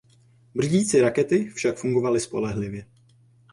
Brzdící rakety však fungovaly spolehlivě.